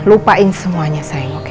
lupain semuanya sayang oke